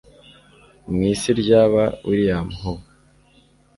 mwishuri ryaba william ho